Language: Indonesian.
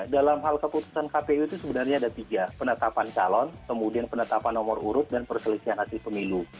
dalam hal keputusan kpu itu sebenarnya ada tiga penetapan calon kemudian penetapan nomor urut dan perselisihan hasil pemilu